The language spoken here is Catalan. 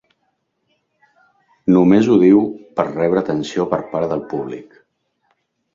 Només ho diu per rebre atenció per part del públic.